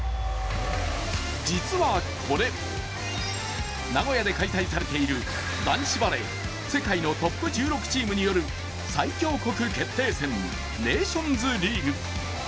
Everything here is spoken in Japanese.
実はこれ、名古屋で開催されている男子バレー世界のトップ１６チームによる最強国決定戦ネーションズリーグ。